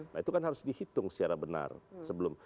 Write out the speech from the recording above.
nah itu kan harus dihitung secara benar sebelum